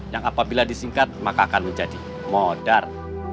yang apabila disingkat maka akan menjadi modar